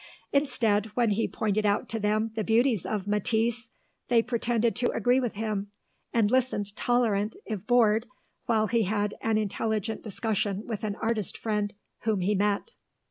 Instead, when he pointed out to them the beauties of Matisse, they pretended to agree with him, and listened tolerant, if bored, while he had an intelligent discussion with an artist friend whom he met.